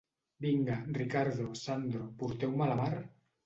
Vinga, Riccardo, Sandro, porteu-me a la mar...